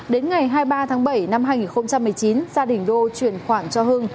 đến ngày hai mươi ba tháng bảy năm hai nghìn một mươi chín gia đình đô chuyển khoản cho hưng